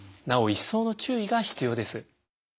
なお一層の注意が必要です。